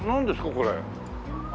これ。